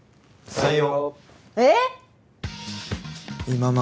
採用。